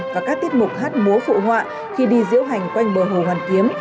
và các tiết mục hát múa phụ họa khi đi diễu hành quanh bờ hồ hoàn kiếm